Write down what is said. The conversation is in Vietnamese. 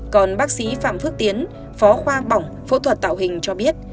còn bác sĩ phạm phước tiến phó khoa bỏng phẫu thuật tạo hình cho biết